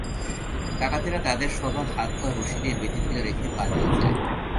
ডাকাতেরা তাঁদের সবার হাত-পা রশি দিয়ে বেঁধে ফেলে রেখে পালিয়ে যায়।